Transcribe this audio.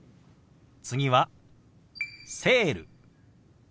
次は「セール」。